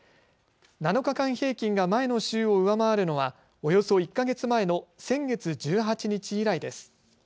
７日間平均が前の週を上回るのはおよそ１か月前の先月１８日以来です。